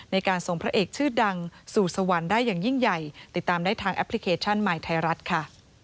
ในการส่งพระเอกชื่อดังสู่สวรรค์ได้อย่างยิ่งใหญ่ติดตามได้ทางแอปพลิเคชันใหม่ไทยรัฐค่ะ